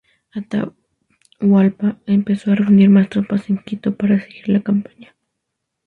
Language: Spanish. Atahualpa empezó a reunir más tropas en Quito para seguir la campaña.